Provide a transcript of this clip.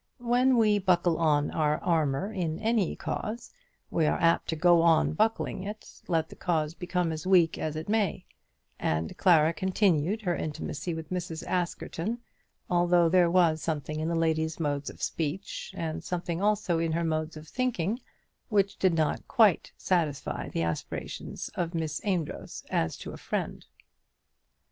When we buckle on our armour in any cause, we are apt to go on buckling it, let the cause become as weak as it may; and Clara continued her intimacy with Mrs. Askerton, although there was something in the lady's modes of speech, and something also in her modes of thinking, which did not quite satisfy the aspirations of Miss Amedroz as to a friend.